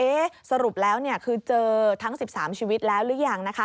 เอ๊ะสรุปแล้วคือเจอทั้ง๑๓ชีวิตแล้วหรือยัง